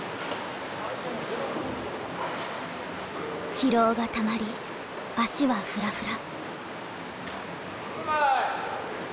疲労がたまり足はふらふら。